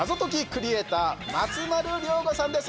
クリエイター松丸亮吾さんです。